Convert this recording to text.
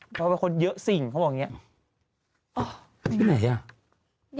เพราะว่าเป็นคนเยอะสิ่งเขาบอกอย่างนี้